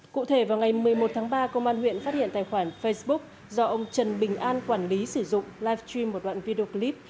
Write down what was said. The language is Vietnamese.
cụ thể vào ngày một mươi một tháng ba công an huyện phát hiện tài khoản facebook do ông trần bình an quản lý sử dụng live stream một đoạn video clip